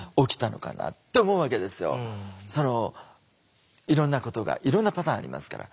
そのいろんなことがいろんなパターンありますから。